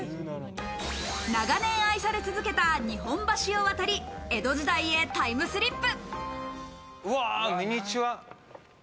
長年愛され続けた日本橋を渡り江戸時代へタイムスリップ。